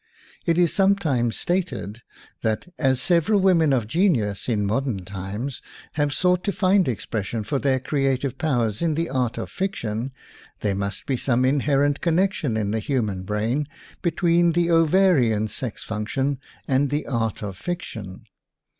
It is sometimes stated, that as several women of genius in modern times have sought to find expression for their creative powers in the art of fic tion, there must be some inherent con nection in the human brain between the ovarian sex function and the art of fic tion.